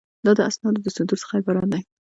دا د اسنادو د صدور څخه عبارت دی.